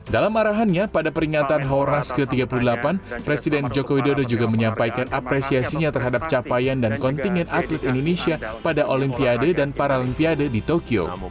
dalam arahannya pada peringatan haoras ke tiga puluh delapan presiden joko widodo juga menyampaikan apresiasinya terhadap capaian dan kontingen atlet indonesia pada olimpiade dan paralimpiade di tokyo